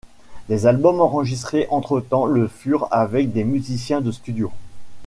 Les albums enregistrés entretemps le furent avec des musiciens de studio.